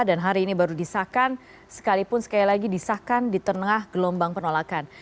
dan hari ini baru disahkan sekalipun sekali lagi disahkan di tengah gelombang penolakan